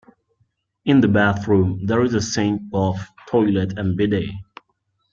In the bathroom there is a sink, bath, toilet and bidet.